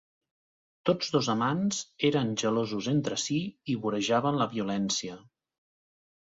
Tots dos amants eren gelosos entre si i vorejaven la violència.